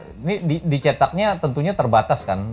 ini dicetaknya tentunya terbatas kan